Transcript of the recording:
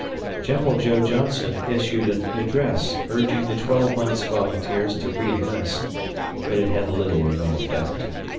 General Joe Johnston issued an address urging the twelve months' volunteers to reënlist, but it had little or no effect.